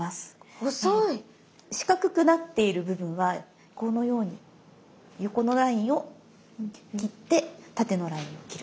四角くなっている部分はこのように横のラインを切って縦のラインを切る。